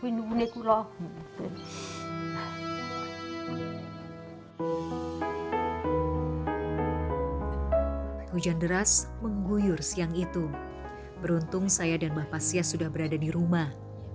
itu beruntung saya dan bapak siang sudah berada di rumah